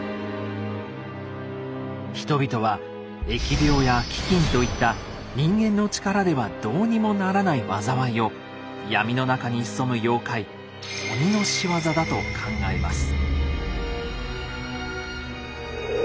人々は疫病や飢饉といった人間の力ではどうにもならない災いを闇の中に潜む妖怪「鬼」の仕業だと考えます。